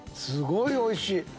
すごいおいしい！